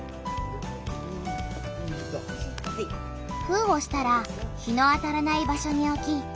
封をしたら日の当たらない場所におき